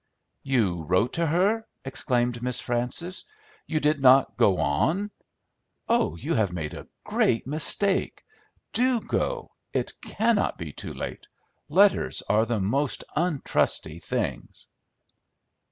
"You wrote to her!" exclaimed Miss Frances. "You did not go on? Oh, you have made a great mistake! Do go: it cannot be too late. Letters are the most untrusty things!"